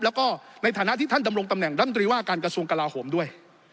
แล้วก็ในฐานะที่ท่านดำรงตำแหน่งรัฐมนตรีว่าการกระทรวงกลาโหมด้วย